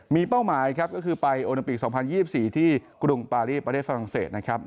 มีเป้าหมายครับก็คือไปโอลิมปิก๒๐๒๔ที่กรุงปารีประเทศฝรั่งเศสนะครับ